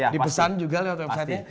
dipesan juga lewat websitenya